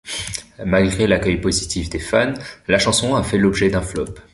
Malgré l'accueil positif des fans, la chanson a fait l'objet d'un flop.